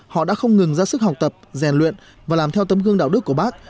họ đã không ngừng ra sức học tập rèn luyện và làm theo tấm gương đạo đức của bác